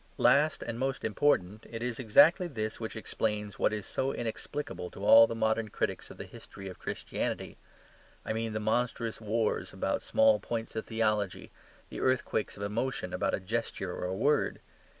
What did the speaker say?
Last and most important, it is exactly this which explains what is so inexplicable to all the modern critics of the history of Christianity. I mean the monstrous wars about small points of theology, the earthquakes of emotion about a gesture or a word.